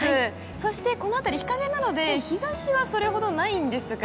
そしてこの辺りは日陰なので日差しはそれほどないですが。